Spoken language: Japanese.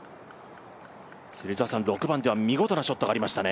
６番では見事なショットがありましたね。